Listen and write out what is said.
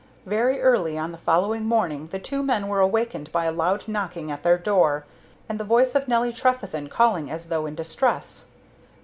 Very early on the following morning the two men were awakened by a loud knocking at their door, and the voice of Nelly Trefethen calling as though in distress.